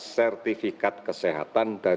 sertifikat kesehatan dari iran